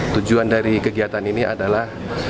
tujuan dari kegiatan ini adalah